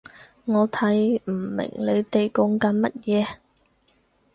我睇唔明你哋講緊乜嘢